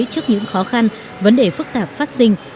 trước những khó khăn vấn đề phức tạp phát sinh